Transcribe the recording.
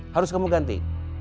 harus kamu ganti